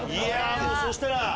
そしたら。